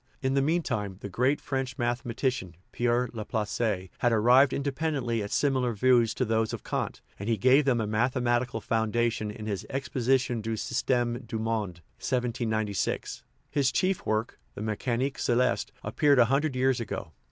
In the mean time the great French math 239 THE RIDDLE OF THE UNIVERSE ematician, Pierre Laplace, had arrived independently at similar views to those of Kant, and he gave them a mathematical foundation in his Exposition du Sys tfrme du Monde (1796). His chief work, the Mecanique Celeste, appeared a hundred years ago.